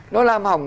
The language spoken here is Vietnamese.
nó làm hỏng